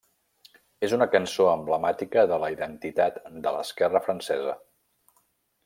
És una cançó emblemàtica de la identitat de l'esquerra francesa.